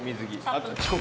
あと遅刻。